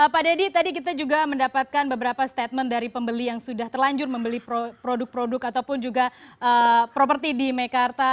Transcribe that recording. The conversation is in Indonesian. pak deddy tadi kita juga mendapatkan beberapa statement dari pembeli yang sudah terlanjur membeli produk produk ataupun juga properti di mekarta